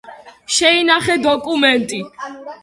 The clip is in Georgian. შეინახე დოკუმენტი